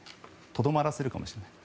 とどまらせるかもしれない。